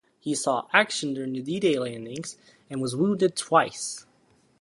He saw action during the D-Day landings and was wounded twice.